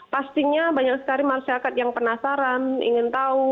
pastinya banyak sekali masyarakat yang penasaran ingin tahu